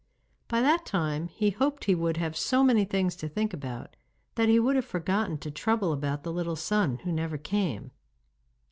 By that time he hoped he would have so many things to think about that he would have forgotten to trouble about the little son who never came.